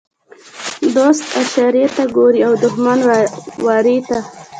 ـ دوست اشارې ته ګوري او دښمن وارې ته.